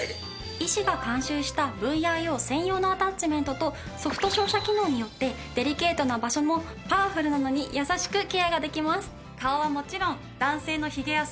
医師が監修したＶＩＯ専用のアタッチメントとソフト照射機能によってデリケートな場所もパワフルなのに優しくケアができます。